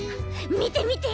みてみて。